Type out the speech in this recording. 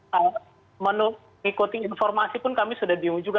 kalau menurut ikuti informasi pun kami sudah diam juga